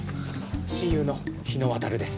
親友の日野渉です。